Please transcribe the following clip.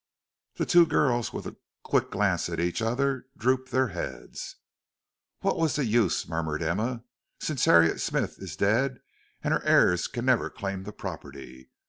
The two girls with a quick glance at each other drooped their heads. "What was the use?" murmured Emma, "since Harriet Smith is dead and her heirs can never claim the property.